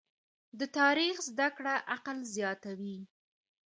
د تاریخ زده کړه عقل زیاتوي.